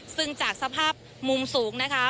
ซึ่งจากสภาพมุมสูงนะคะ